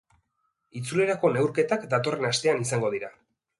Itzulerako neurketak datorren astean izango dira.